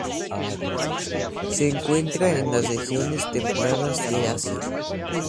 Se encuentra en las regiones templadas de Asia.